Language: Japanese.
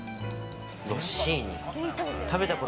ロッシーニ